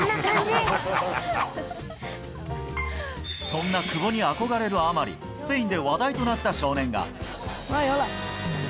そんな久保に憧れるあまり、スペインで話題となった少年が。